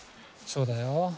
そうだよ。